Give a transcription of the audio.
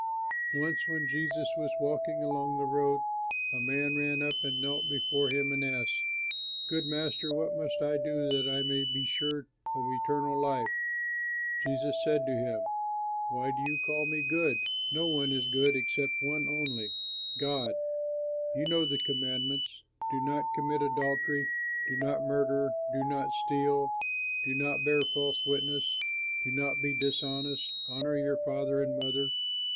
'" Once when Jesus was walking along the road, a man ran up and knelt before him and asked, "Good Master, what must I do that I may be sure of eternal life?" Jesus said to him, "Why do you call me good? No one is good except one only: God. You know the commandments: 'Do not commit adultery. Do not murder. Do not steal. Do not bear false witness. Do not be dishonest. Honor your father and mother.'"